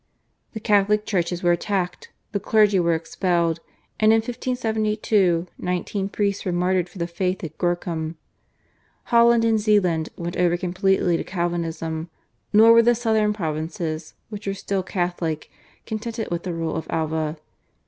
The Catholic churches were attacked, the clergy were expelled, and in 1572 nineteen priests were martyred for the faith at Gorcum. Holland and Zeeland went over completely to Calvinism, nor were the southern provinces, which were still Catholic, contented with the rule of Alva.